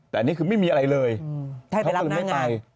แต่อันนี้คือไม่มีอะไรเลยให้ไปรับหน้างาน